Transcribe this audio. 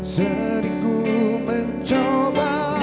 sering ku mencoba